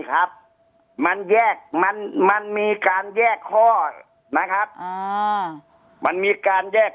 ครับมันแยกมันมันมีการแยกข้อนะครับอ่ามันมีการแยก